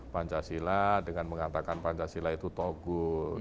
pancasila dengan mengatakan pancasila itu togut